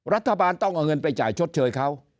รัฐบาลต้องเอาเงินไปจ่ายชดเชยเขา